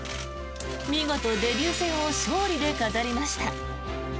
見事、デビュー戦を勝利で飾りました。